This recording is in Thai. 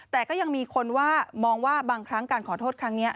แต่ก็ยังมีคนว่ามองว่าบางครั้งการขอโทษครั้งนี้